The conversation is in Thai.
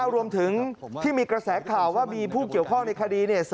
รวมถึงที่มีกระแสข่าวว่ามีผู้เกี่ยวข้องในคดี